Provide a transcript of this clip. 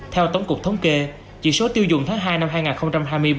theo tổng cục thống kê chỉ số tiêu dùng tháng hai năm hai nghìn hai mươi ba